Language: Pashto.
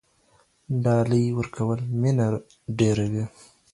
ډالۍ ورکول مینه ډیروي.